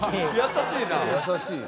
優しい。